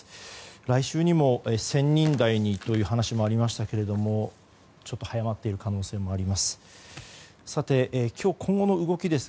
来週にも１０００人台という話もありましたがちょっと早まっている可能性もあります。